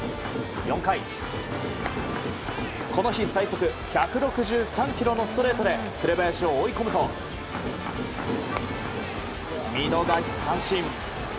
４回、この日最速１６３キロのストレートで紅林を追い込むと見逃し三振。